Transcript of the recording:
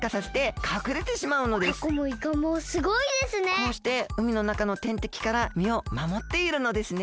こうしてうみのなかのてんてきからみをまもっているのですね。